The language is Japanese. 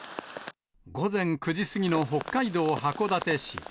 午前９時過ぎの北海道函館市。